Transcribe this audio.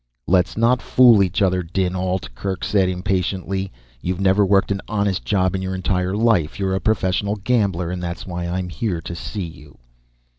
"Let's not fool each other, dinAlt," Kerk said impatiently. "You've never worked at an honest job in your entire life. You're a professional gambler and that's why I'm here to see you."